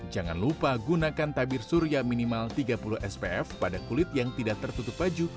jangan lupa gunakan tabir surya minimal tiga puluh spf pada kulit yang tidak tertutup baju